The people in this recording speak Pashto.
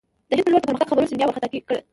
د هند پر لور د پرمختګ خبرونو سیندیا وارخطا کړ.